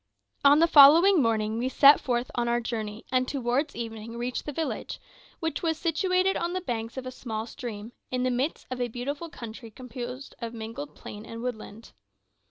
On the following morning we set forth on our journey, and towards evening reached the village, which was situated on the banks of a small stream, in the midst of a beautiful country composed of mingled plain and woodland.